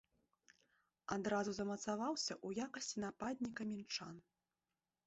Адразу замацаваўся ў якасці нападніка мінчан.